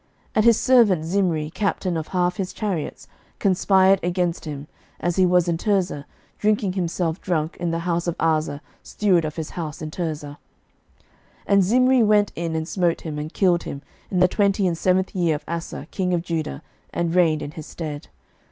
11:016:009 And his servant Zimri, captain of half his chariots, conspired against him, as he was in Tirzah, drinking himself drunk in the house of Arza steward of his house in Tirzah. 11:016:010 And Zimri went in and smote him, and killed him, in the twenty and seventh year of Asa king of Judah, and reigned in his stead.